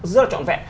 rất là trọn vẹn